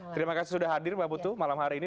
terima kasih sudah hadir mbak putu malam hari ini